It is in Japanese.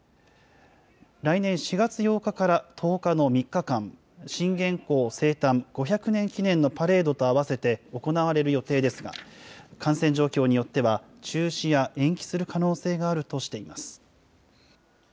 来年４月８日から１０日の３日間、信玄公生誕５００年記念のパレードと合わせて行われる予定ですが、感染状況によっては、中止や延期する可能性があるとしています。